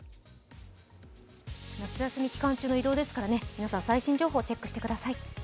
夏休み期間中の移動ですから、皆さん、最新情報をチェックしてください。